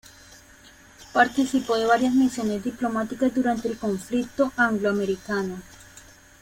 Participó de varias misiones diplomáticas durante el conflicto anglo-americano.